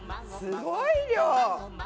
すごい量。